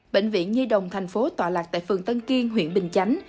bệnh viện nhi đồng tp tọa lạc tại phường tân kiên huyện bình chánh